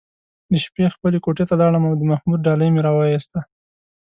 د شپې خپلې کوټې ته لاړم او د محمود ډالۍ مې راوویسته.